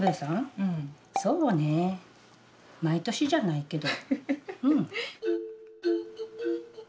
そうね毎年じゃないけど。